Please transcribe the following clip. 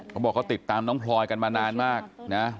เขาบอกเขาติดตามน้องพลอยกันมานานมากนะ